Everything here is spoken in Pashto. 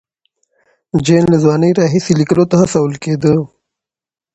جین له ځوانۍ راهیسې لیکلو ته هڅول کېده.